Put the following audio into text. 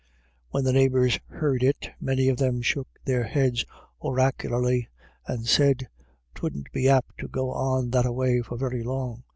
When the neighbours heard it, many of them shook their heads oracularly, and said 'twouldn't be apt to go on that a way for very long.